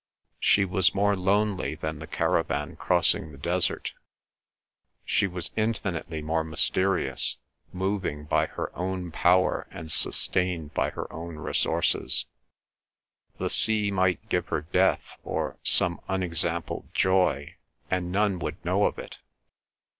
She was more lonely than the caravan crossing the desert; she was infinitely more mysterious, moving by her own power and sustained by her own resources. The sea might give her death or some unexampled joy, and none would know of it.